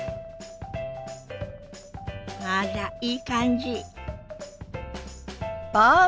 あらいい感じ。